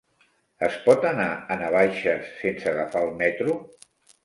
Es pot anar a Navaixes sense agafar el metro?